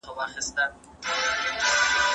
که خلګ يو بل ومني، سوله زياتېږي.